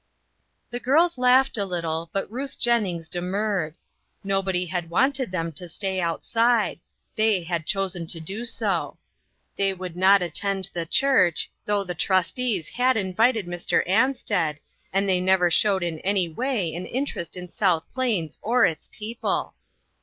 ' The girls laughed a little, but Ruth Jen nings demurred. Nobody had wanted them to stay outside ; they had chosen to do so. They would not attend the church, though the trustees had invited Mr. Ansted, and they never showed in any way an interest in South Plains or its people.